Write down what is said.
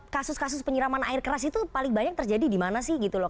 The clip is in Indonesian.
kasus kasus penyiraman air keras itu paling banyak terjadi di mana sih gitu loh